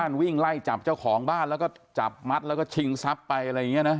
วิ่งไล่จับเจ้าของบ้านแล้วก็จับมัดแล้วก็ชิงทรัพย์ไปอะไรอย่างนี้นะ